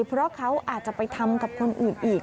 เพราะเขาอาจจะไปทำกับคนอื่นอีก